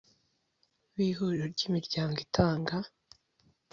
b Ihuriro ry Imiryango itanga